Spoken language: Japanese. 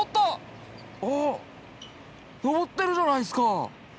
あっ登ってるじゃないですか。